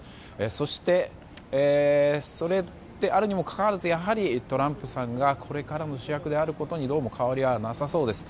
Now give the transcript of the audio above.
そしてそれであるにもかかわらずやはりトランプさんがこれからの主役であることにどうも変わりはなさそうです。